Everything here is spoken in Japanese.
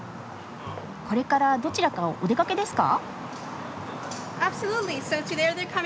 これからどちらかお出かけですか？